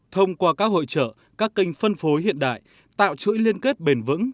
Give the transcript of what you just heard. thông qua các hội trợ các kênh phân phối hiện đại tạo chuỗi liên kết bền vững